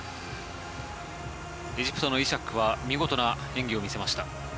エジプトのイシャックは見事な演技を見せました。